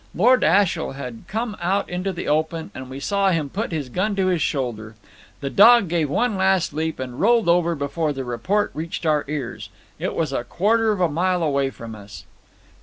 Lord Ashiel had come out into the open, and we saw him put his gun to his shoulder. The dog gave one last leap, and rolled over before the report reached our ears. It was a quarter of a mile away from us."